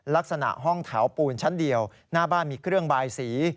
ลักษณะห้องแถวปูนชั้นเดียวหน้าบ้านมีเครื่องบายสี